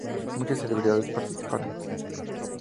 Muchas celebridades participarán.